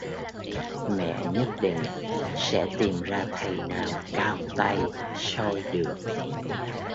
mẹ nhất định sẽ tìm ra thầy nào cao tay soi được